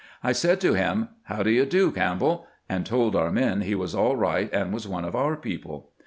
I said to him, " How do you do, Camp bell?" and told our men he was all right, and was one of our people.